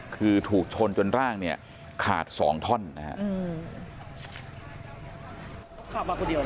คือถูกชนจนร่างเนี่ยขาดสองท่อนนะครับ